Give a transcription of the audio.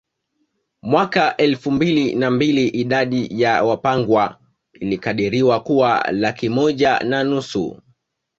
Mwaka elfu mbili na mbili idadi ya Wapangwa ilikadiriwa kuwa laki moja na nusu